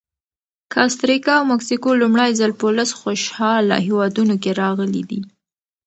کاستریکا او مکسیکو لومړی ځل په لسو خوشحاله هېوادونو کې راغلي دي.